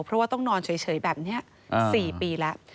เพราะว่าต้องนอนเฉยแบบนี้๔ปีแล้ว